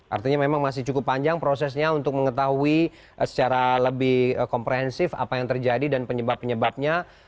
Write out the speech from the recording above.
artinya memang masih cukup panjang prosesnya untuk mengetahui secara lebih komprehensif apa yang terjadi dan penyebab penyebabnya